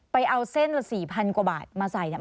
เอาเส้นละ๔๐๐กว่าบาทมาใส่เนี่ย